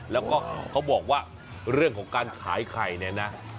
แล้วก็เขาบอกว่าเรื่องของการขายไข่เนี่ยนะ